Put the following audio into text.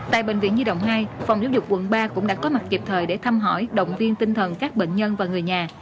tại bệnh viện nhi đồng hai phòng giáo dục quận ba cũng đã có mặt kịp thời để thăm hỏi động viên tinh thần các bệnh nhân và người nhà